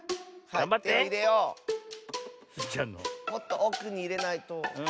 もっとおくにいれないと。